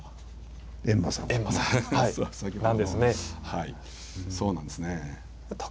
はいそうなんですね。